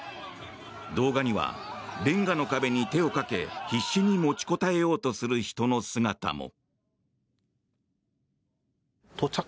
動画にはレンガの壁に手をかけ必死に持ちこたえようとする人の姿も。